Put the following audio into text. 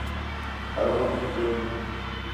Arboretum Dr.